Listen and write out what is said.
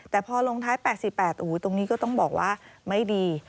แต่พอลงท้าย๘๘ตรงนี้ก็ต้องบอกว่าไม่ดี